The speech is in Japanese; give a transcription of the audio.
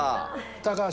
高橋。